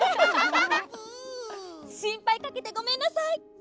しんぱいかけてごめんなさい！